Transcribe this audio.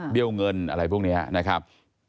เงินอะไรพวกนี้นะครับ